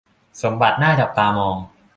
สมบัติน่าจับตามอง